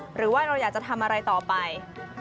หรือว่าเราอยากจะทำอะไรต่อไป